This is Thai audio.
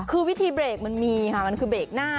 คือวิธีเบรกมันมีค่ะมันคือเบรกหน้า